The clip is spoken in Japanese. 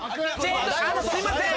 あのすいません！